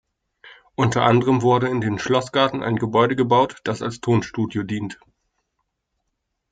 Unter anderem wurde in den Schlossgarten ein Gebäude gebaut, das als Tonstudio dient.